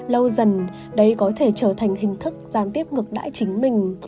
lâu dần đấy có thể trở thành hình thức gián tiếp ngược đãi chính mình